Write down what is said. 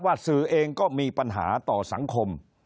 สื่อเองก็มีปัญหาต่อสังคม